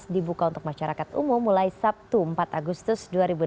dibuka untuk masyarakat umum mulai sabtu empat agustus dua ribu delapan belas